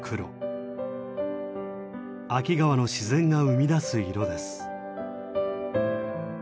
秋川の自然が生み出す色です。